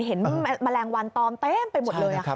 แมลงวันตอมเต็มไปหมดเลย